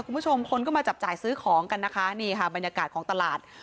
คุณผู้ชมคนก็มาจับจ่ายซื้อของกันนะคะนี่ค่ะบรรยากาศของตลาด